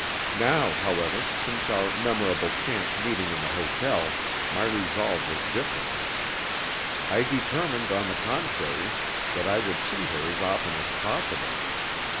Now, however, since our memorable chance meeting in the hotel, my resolve was different. I determined, on the contrary, that I would see her as often as possible.